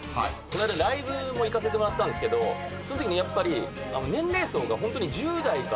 この間ライブも行かせてもらったんですけどそんときに年齢層が１０代から。